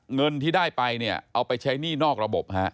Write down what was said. เงินที่ได้ไปเอาไปใช้หนี้นอกระบบ